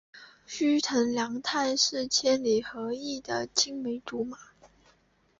须藤良太是千明和义的青梅竹马。